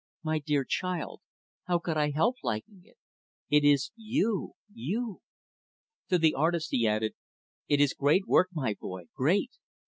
My dear child, how could I help liking it? It is you you!" To the artist, he added, "It is great work, my boy, great!